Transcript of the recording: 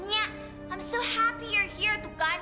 nyak i'm so happy you're here tuh kan